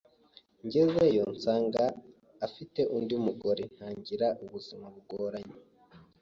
ngezeyo nsanga afite undi mugore ntangira ubuzima bugoranye